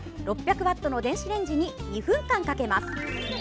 ６００ワットの電子レンジに２分間かけます。